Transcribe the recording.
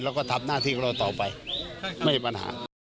เราก็ทำหน้าทีนี้ต่อไปไม่มีปัญหา